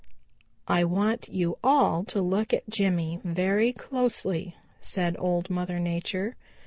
"I want you all to look at Jimmy very closely," said Old Mother Nature.